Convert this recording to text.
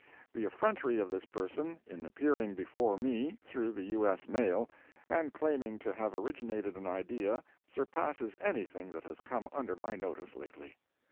The effrontery of this person in appearing before me, through the U.S. mail, and claiming to have originated an idea, surpasses anything that has come under my notice lately.